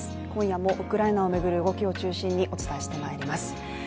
今夜もウクライナを巡る動きを中心にお伝えします。